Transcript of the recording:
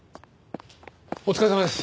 お疲れさまです。